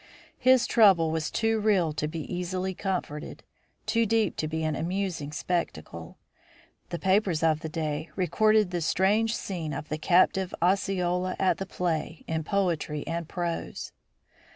His trouble was too real to be easily comforted, too deep to be an amusing spectacle. The papers of the day recorded the strange scene of the captive Osceola at the play in poetry and prose.